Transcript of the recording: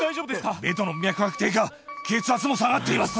ベトの脈拍低下血圧も下がっています